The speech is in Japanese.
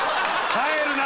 帰るな！